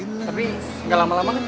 tapi gak lama lama